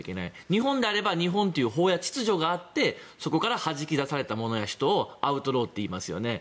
日本であれば日本という法や秩序があってそこからはじき出されたものや人をアウトローといいますよね。